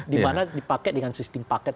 dimana dipakai dengan sistem paket